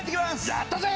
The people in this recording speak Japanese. やったぜ！